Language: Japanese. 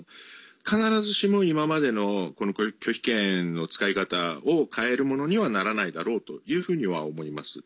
必ずしも今までの拒否権の使い方を変えるものにはならないだろうというふうには思います。